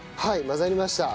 混ざりました。